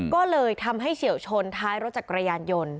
ก็เลยทำให้เฉียวชนท้ายรถจักรยานยนต์